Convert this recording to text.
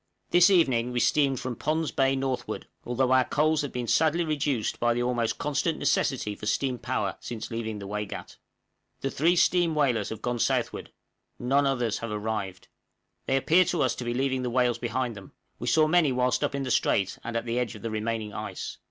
This evening we steamed from Pond's Bay northward, although our coals have been sadly reduced by the almost constant necessity for steam power since leaving the Waigat. The three steam whalers have gone southward; none others have arrived. They appear to us to be leaving the whales behind them; we saw many whilst up the strait, and at the edge of the remaining ice.